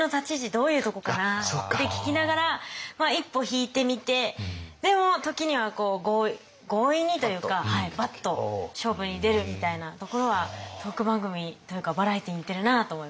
どういうとこかなって聞きながら一歩引いて見てでも時には強引にというかバッと勝負に出るみたいなところはトーク番組というかバラエティーに似てるなと思いました。